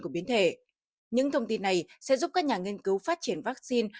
của biến thể những thông tin này sẽ giúp các nhà nghiên cứu phát triển vaccine